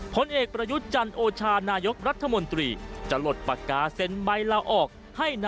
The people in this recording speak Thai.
ผลเอกประยุทธ์จันโอชานายกรัฐมนตรีจะหลดปากกาเซ็นใบลาออก